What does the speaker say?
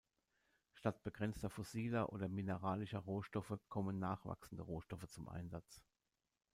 Statt begrenzter fossiler oder mineralischer Rohstoffe kommen nachwachsende Rohstoffe zum Einsatz.